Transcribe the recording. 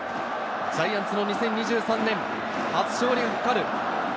ジャイアンツの２０２３年初勝利のかかる。